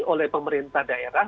oleh pemerintah daerah